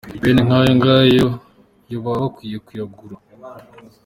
Bene nk’ayo ngayo yo baba bakwiye kuyagarura.